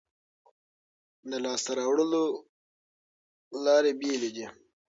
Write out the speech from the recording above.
د لاسته راوړلو لارې بېلې دي.